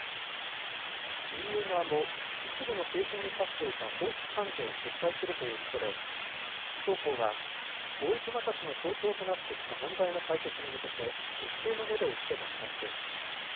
ＥＵ側も一部の製品に課していた報復関税を撤廃するということで双方は貿易摩擦の象徴となってきた問題の解決に向けて一定のめどをつけた形です。